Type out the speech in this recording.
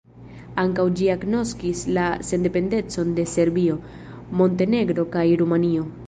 Ankaŭ ĝi agnoskis la sendependecon de Serbio, Montenegro kaj Rumanio.